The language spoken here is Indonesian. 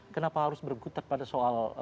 kenapa harus bergutat pada soal